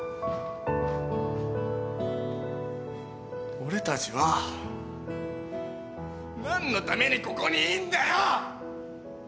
俺たちは何のためにここにいんだよ！？